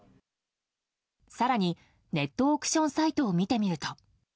更にネットオークションサイトを見てみると。